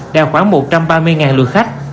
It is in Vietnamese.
đạt khoảng một trăm ba mươi lượt khách